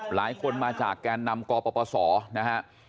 หลายคนมาจากแกนนำกปปศนะครับ